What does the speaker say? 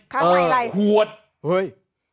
ทำให้อะไรอะขวดเฮ้ยอ๋อ